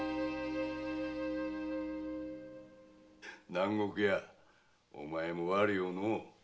南国屋お前もワルよのう。